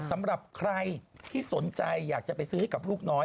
สำหรับใครที่สนใจอยากจะไปซื้อให้กับลูกน้อย